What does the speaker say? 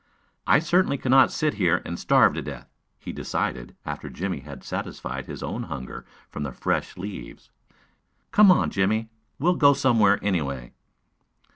"I certainly cannot sit here and starve to death," he decided after Jimmie had satisfied his own hunger from the fresh green leaves. "Come on, Jimmie; we'll go somewhere, anyway."